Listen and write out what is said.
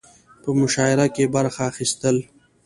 په مشاعره کې برخه اخستل